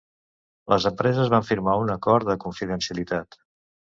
Les empreses van firmar un acord de confidencialitat.